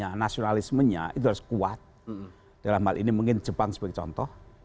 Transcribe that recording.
nah nasionalismenya itu harus kuat dalam hal ini mungkin jepang sebagai contoh